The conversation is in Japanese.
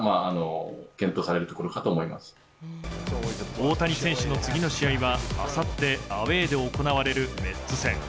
大谷選手の次の試合はあさってアウェーで行われるメッツ戦。